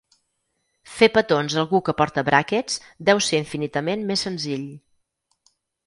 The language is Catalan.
Fer petons a algú que porta bràquets deu ser infinitament més senzill.